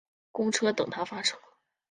公车等他发车